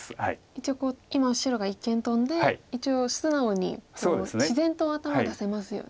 一応今白が一間トンで一応素直に自然と頭を出せますよね。